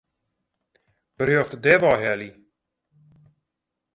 Berjocht dêrwei helje.